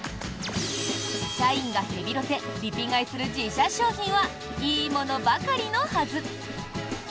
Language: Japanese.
社員がヘビロテ・リピ買いする自社商品はいいものばかりのはず！